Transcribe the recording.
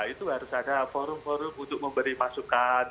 itu harus ada forum forum untuk memberi masukan